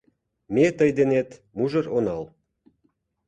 Ме тый денет мужыр онал».